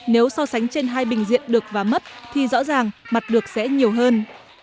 nếu so sánh trên hai bình diện được và mất thì rõ ràng mặt được sẽ nhiều hơn